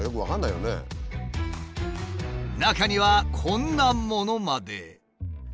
中にはこんなものまで。